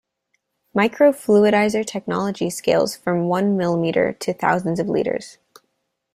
Microfluidizer technology scales from one milliliter to thousands of liters.